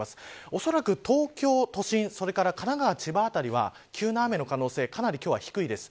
おそらく東京都心それから神奈川、千葉辺りは急な雨の可能性かなり、今日は低いです。